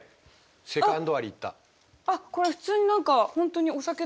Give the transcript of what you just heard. セカンドアリいった。